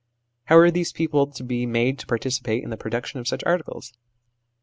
How are these people to be made to participate in the production of such articles